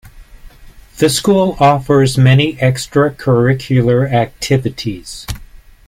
The school offers many extracurricular activities.